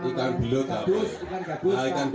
ikan belut pak